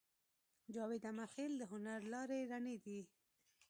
جاوید امیرخېل د هنر لارې رڼې دي